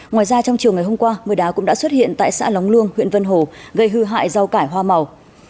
ngoài ra trong chiều ngày hôm qua mưa đá cũng đã xuất hiện tại xã lóng luông huyện vân hồ gây hư hại rau cải hoa màu